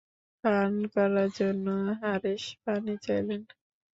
পান করার জন্য হারেস পানি চাইলেন।